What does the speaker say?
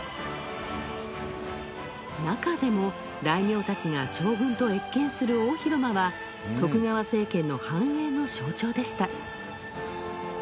中でも、大名たちが将軍と謁見する大広間は徳川政権の繁栄の象徴でした。